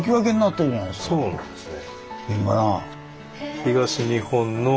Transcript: そうなんですね。